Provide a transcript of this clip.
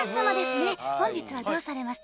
本日はどうされましたか？